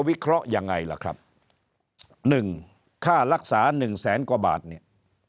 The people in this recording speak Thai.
วิเคราะห์ยังไงล่ะครับ๑ค่ารักษา๑แสนกว่าบาทเนี่ย